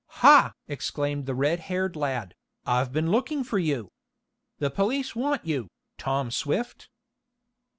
"Ha!" exclaimed the red haired lad, "I've been looking for you. The police want you, Tom Swift."